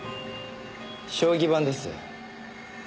将棋盤です。